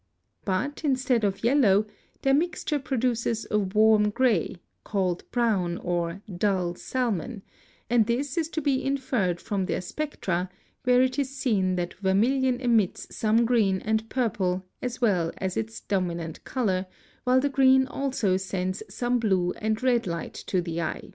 But, instead of yellow, their mixture produces a warm gray, called brown or "dull salmon," and this is to be inferred from their spectra, where it is seen that vermilion emits some green and purple as well as its dominant color, while the green also sends some blue and red light to the eye.